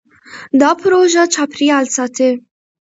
دا پروژه چاپېریال ساتي.